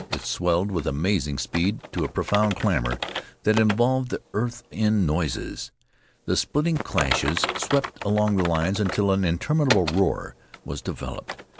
It swelled with amazing speed to a profound clamor that involved the earth in noises. The splitting crashes swept along the lines until an interminable roar was developed.